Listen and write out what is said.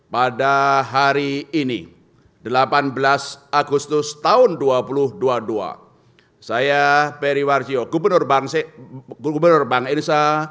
pada hari ini delapan belas agustus tahun dua ribu dua puluh dua saya periwarsyo gubernur bangsa gubernur bangsa